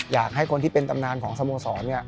อยากให้คนที่เป็นตำนานของสโมสร